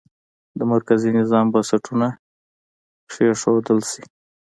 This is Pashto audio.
د مرکزي نظام بنسټونه کېښودل شي.